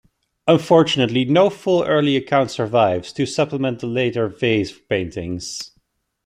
Unfortunately no full early account survives, to supplement the later vase-paintings.